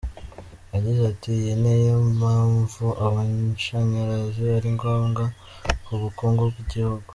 Yagize ati “Iyi ni yo mpamvu amashanyarazi ari ngombwa ku bukungu bw’igihugu.